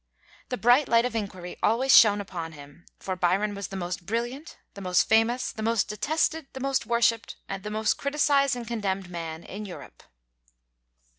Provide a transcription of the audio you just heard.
The bright light of inquiry always shone upon him, for Byron was the most brilliant, the most famous, the most detested, the most worshiped, and the most criticized and condemned man in Europe.